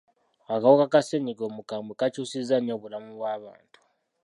Akawuka ka ssenyiga omukambwe kakyusizza nnyo obulamu bw'abantu.